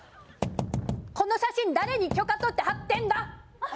この写真誰に許可取って貼ってんだ？